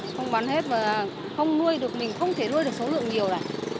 không bán hết mà không nuôi được mình không thể nuôi được số lượng nhiều này